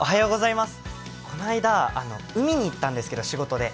この間、海に行ったんですけど、仕事で。